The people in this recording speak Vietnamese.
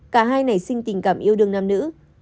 cả hai nảy sinh tình cảm yêu đương nam nữ